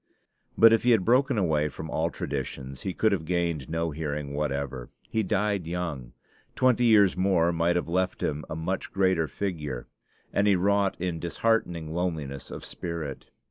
But if he had broken away from all traditions, he could have gained no hearing whatever; he died young twenty years more might have left him a much greater figure; and he wrought in disheartening loneliness of spirit.